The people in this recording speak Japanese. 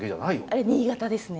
あれは新潟ですね。